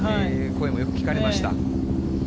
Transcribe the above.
声もよく聞かれました。